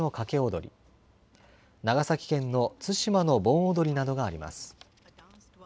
踊、長崎県の対馬の盆踊などがあります。